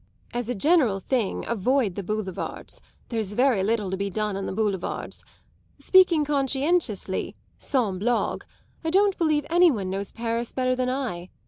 As a general thing avoid the Boulevards; there's very little to be done on the Boulevards. Speaking conscientiously sans blague I don't believe any one knows Paris better than I.